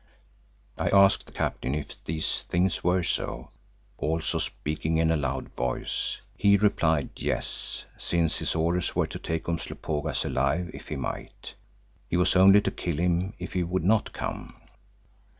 I asked the captain if these things were so, also speaking in a loud voice. He replied, Yes, since his orders were to take Umslopogaas alive if he might. He was only to kill him if he would not come.